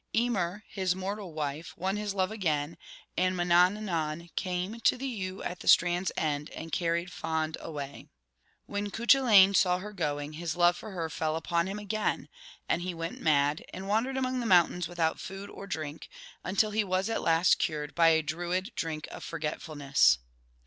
Emer, his mortal wife, won his love again, and Mannannan came to * the Yew at the Strand's End,' and carried Fand away. When Cuchullain saw her going, his love for her fell upon him again, and he went mad, and wan dered among the mountains without food or drink, until he was at last cured by a Druid drink of forgetfulness.